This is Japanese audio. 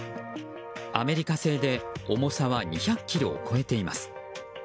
アメリカ製で重さは２００ｋｇを超えています。